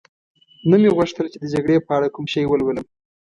نه مې غوښتل چي د جګړې په اړه کوم شی ولولم.